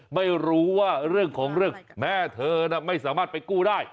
ไม่รู้ว่าเรื่องของเรื่องแม่เธอน่ะไม่สามารถไปกู้ได้